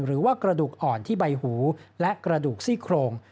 หรือว่ากระดูกอ่อนที่ใบหูและกระดูกซี่โครง